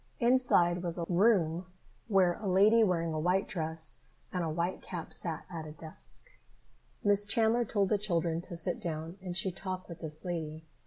Inside was a room where a lady wearing a white dress and a white cap sat at a desk. Miss Chandler told the children to sit down and she talked with this lady.